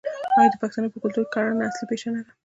آیا د پښتنو په کلتور کې کرنه اصلي پیشه نه ده؟